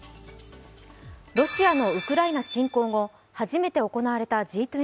ロシアのウクライナ侵攻後、初めて行われたＧ２０。